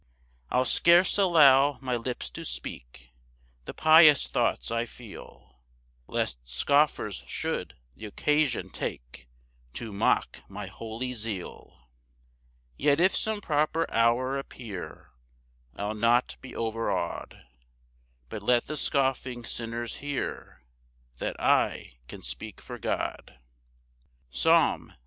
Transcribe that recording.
3 I'll scarce allow my lips to speak The pious thoughts I feel, Lest scoffers should th' occasion take To mock my holy zeal. 4 Yet if some proper hour appear, I'll not be overaw'd, But let the scoffing sinners hear That I can speak for God. Psalm 39:2.